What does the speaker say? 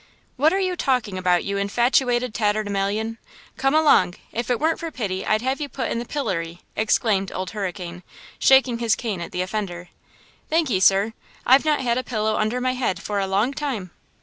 "What are you talking about, you infatuated tatterdemalion? Come along! If it weren't for pity I'd have you put in the pillory!" exclaimed Old Hurricane, shaking his cane at the offender. "Thanky, sir! I've not had a pillow under my head for a long time.!